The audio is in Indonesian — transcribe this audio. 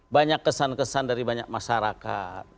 banyak kesan kesan dari banyak masyarakat